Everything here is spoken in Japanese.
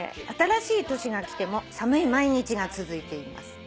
「新しい年が来ても寒い毎日が続いています」